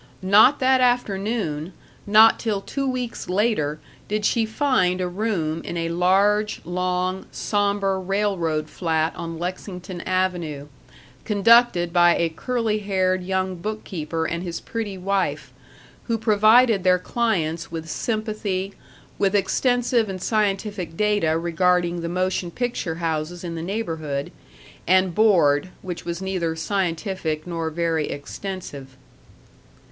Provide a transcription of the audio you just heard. Not that afternoon, not till two weeks later, did she find a room in a large, long, somber railroad flat on Lexington Avenue, conducted by a curly haired young bookkeeper and his pretty wife, who provided their clients with sympathy, with extensive and scientific data regarding the motion picture houses in the neighborhood, and board which was neither scientific nor very extensive.